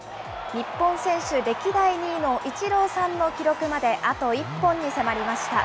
日本選手歴代２位のイチローさんの記録まであと１本に迫りました。